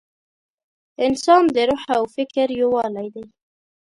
انسان د روح او فکر یووالی دی.